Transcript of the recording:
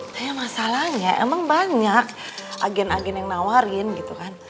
tapi masalahnya emang banyak agen agen yang nawarin gitu kan